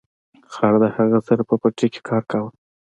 خر د هغه سره په پټي کې کار کاوه.